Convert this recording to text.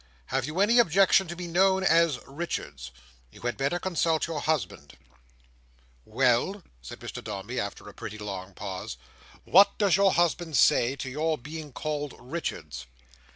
Have you any objection to be known as Richards? You had better consult your husband." "Well?" said Mr Dombey, after a pretty long pause. "What does your husband say to your being called Richards?"